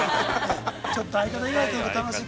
ちょっと相方以外と楽しい。